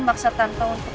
maksa tante untuk